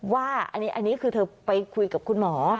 ว่าอันนี้คือเธอไปคุยกับคุณหมอ